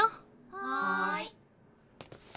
はい。